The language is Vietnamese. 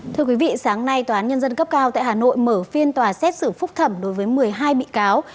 thưa quý vị sáng nay tòa án nhân dân cấp cao tại hà nội mở phiên tòa xét xử phúc thẩm đối với một mươi hai bị cáo